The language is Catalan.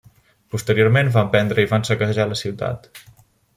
Posteriorment van prendre i van saquejar la ciutat.